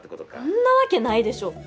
そんなわけないでしょ。